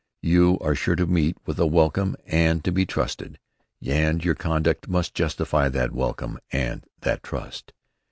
You are sure to meet with a welcome and to be trusted; and your conduct must justify that welcome and that trust.